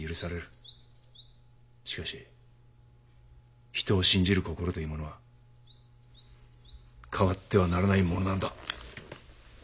しかし人を信じる心というものは変わってはならないものなんだ。